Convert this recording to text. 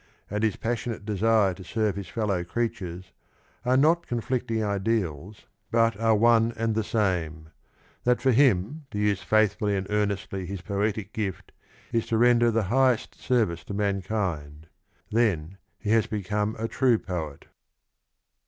and his passionate desire to serve | his f.eliow creatures, are not conflicting ideals, but are one aiid the same; that cor him lo use faithfully and earnestly 1 his poetic gift is to render the highest service to mmkind ;; then he has becom^e a true poet.